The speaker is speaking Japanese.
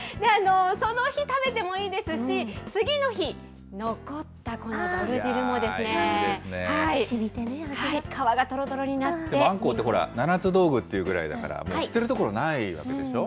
その日食べてもいいですし、次の日、残ったこのどぶ汁もですね、あんこうってほら、７つ道具っていうぐらいから、捨てるところがないわけでしょ。